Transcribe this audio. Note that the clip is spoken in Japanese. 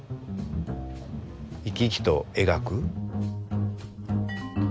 生き生きと描く。